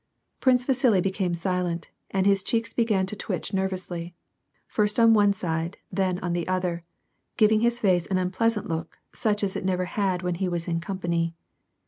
Prince Vasili became silent, and his cheeks began to twitch nervously, first on one side then on the other, giving his facse an unpleasjint look such as it never had when he was in com pany.